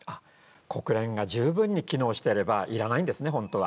国連が十分に機能していれば要らないんですね本当は。